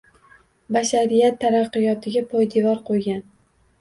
Bashariyat taraqqiyotiga poydevor qoʻygan